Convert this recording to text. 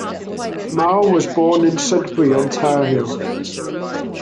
Mau was born in Sudbury, Ontario.